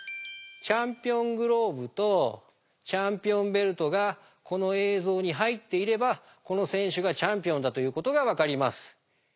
チャンピオングローブとチャンピオンベルトがこの映像に入っていればこの選手がチャンピオンだということが分かります。